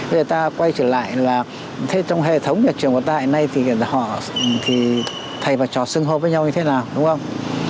vậy ta quay trở lại là trong hệ thống trường hợp tại nay thì thầy và trò xưng hô với nhau như thế nào đúng không